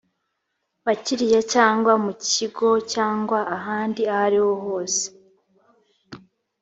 bakiriya cyangwa mu kigo cyangwa ahandi ahoriho hose